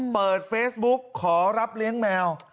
เปิดเฟซบุ๊กขอรับเลี้ยงแมว